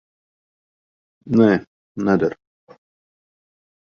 Nē, neder.